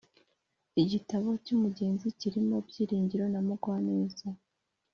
igitabo cy’umugenzi kirimo byiringiro na mugwaneza